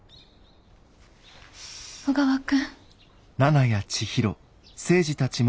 小川君。